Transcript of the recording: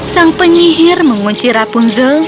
sang penyihir mengunci rapunzel